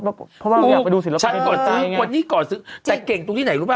เพราะว่าเราอยากไปดูศิลปะวันนี้ก่อนซื้อแต่เก่งตรงที่ไหนรู้ปะ